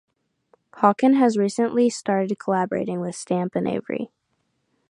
Hawken has recently started collaborating with Stamp and Avery.